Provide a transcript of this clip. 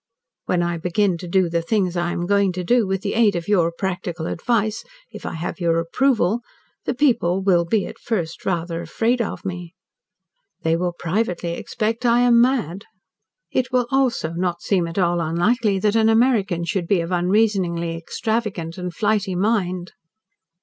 When I begin to do the things I am going to do, with the aid of your practical advice, if I have your approval, the people will be at first rather afraid of me. They will privately suspect I am mad. It will, also, not seem at all unlikely that an American should be of unreasoningly extravagant and flighty mind.